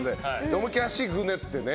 思い切り、足ぐねってね。